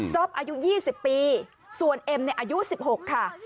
อายุ๒๐ปีส่วนเอ็มอายุ๑๖ค่ะ